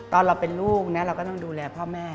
ตอนเราเป็นลูกนะเราก็ต้องดูแลพ่อแม่